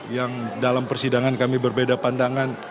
yang dalam persidangan kami berbeda pandangan